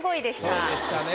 そうでしたね。